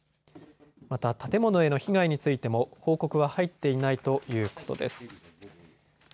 また建物への被害についても報告は入っていないということです。